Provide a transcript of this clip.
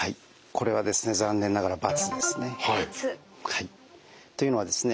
これはですね残念ながら×ですね。というのはですね